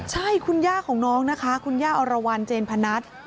ใช่คุณย่าของน้องนะคะคุณย่าอรวรรณเจนพนัท